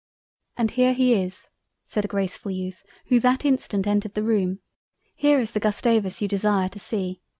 "And here he is; (said a Gracefull Youth who that instant entered the room) here is the Gustavus you desire to see.